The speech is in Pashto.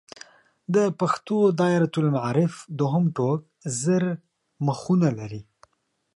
د پښتو دایرة المعارف دوهم ټوک زر مخونه لري.